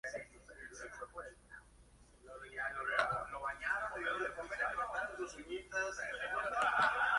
El borde de Römer tiene paredes relativamente altas, con una superficie interior aterrazada.